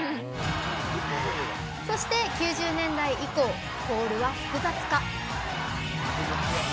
そして、９０年代以降コールは複雑化。